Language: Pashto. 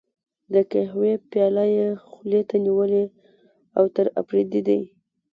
او د قهوې پياله یې خولې ته نیولې، اوتر اپرېدی دی.